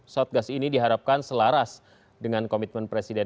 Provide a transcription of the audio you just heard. satgas ini diharapkan selaras dengan komitmen presiden